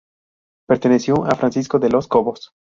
Perteneció a Francisco de los Cobos.